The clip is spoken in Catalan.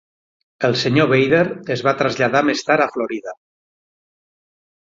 El senyor Vader es va traslladar més tard a Florida.